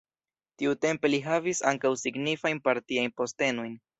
Tiutempe li havis ankaŭ signifajn partiajn postenojn.